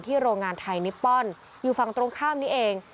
โรงงานไทยนิปปอนด์อยู่ฝั่งตรงข้ามนี้เอง